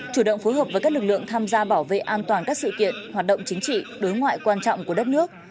chủ động phối hợp với các lực lượng tham gia bảo vệ an toàn các sự kiện hoạt động chính trị đối ngoại quan trọng của đất nước